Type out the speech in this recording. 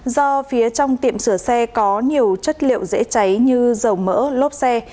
do phía trong tiệm sửa xe có nhiều chất liệu dễ cháy như dầu mỡ lốp xe